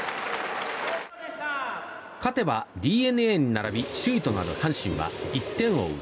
勝てばＤｅＮＡに並び首位となる阪神は１点を追う